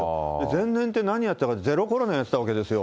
前年って何やったかって、ゼロコロナやってたわけですよ。